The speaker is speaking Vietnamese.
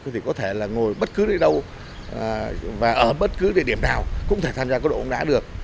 thì có thể là ngồi bất cứ nơi đâu và ở bất cứ địa điểm nào cũng có thể tham gia cá độ uống đá được